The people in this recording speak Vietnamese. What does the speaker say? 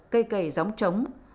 cây kẻ giống trống